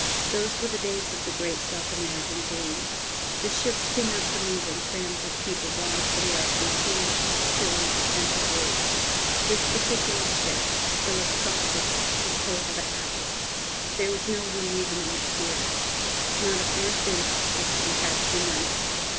Those were the days of the great South American boom. The ships went out from England crammed with people bound for the Argentine, Chile, and Peru. This particular ship, the Las CasaSy was full to the hatches; there was no room even in the steerage. Not a berth in her was to be had for money.